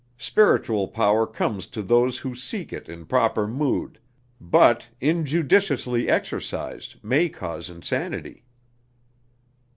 Spiritual power comes to those who seek it in proper mood, but, injudiciously exercised, may cause insanity."